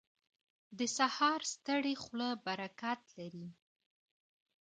• د سهار ستړې خوله برکت لري.